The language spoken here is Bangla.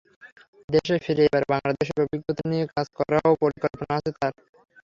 দেশে ফিরে এবার বাংলাদেশের অভিজ্ঞতা নিয়ে কাজ করারও পরিকল্পনা আছে তাঁর।